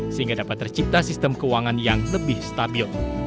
sehingga dapat tercipta sistem keuangan yang lebih stabil